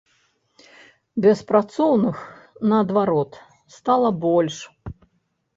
Беспрацоўных, наадварот, стала больш!